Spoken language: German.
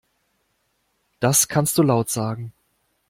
Das kannst du laut sagen.